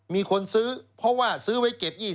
มีคนซื้อเพราะว่าซื้อไว้เก็บ๒๐